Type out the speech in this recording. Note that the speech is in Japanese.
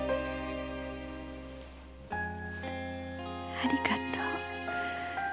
ありがとう。